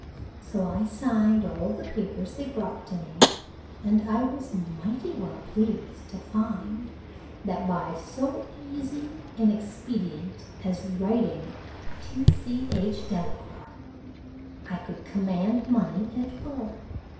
So I signed all the papers they brought to me; and I was mighty well pleased to find, that by so easy an expedient as writing 'T. C. H. Delacour,' I could command money at will.